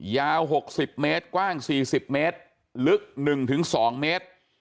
ยาว๖๐เมตรกว้าง๔๐เมตรลึก๑๒เมตร